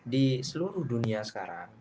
di seluruh dunia sekarang